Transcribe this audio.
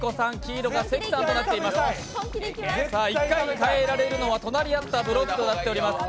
変えられるのは隣り合ったブロックとなってます。